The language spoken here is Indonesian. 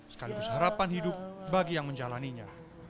sekaligus harapan hidup bagi yang menjalannya